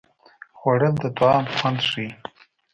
خوړل د طعام خوند ښيي